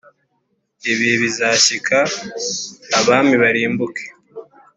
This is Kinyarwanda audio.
Ibihe bizashyika abami barimbuke